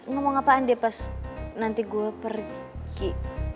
ngomong ngapain dia pas nanti gue pergi